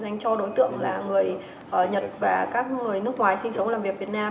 dành cho đối tượng là người nhật và các người nước ngoài sinh sống làm việc việt nam